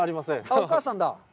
お母さんだ。